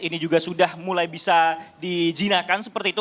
ini juga sudah mulai bisa dijinakan seperti itu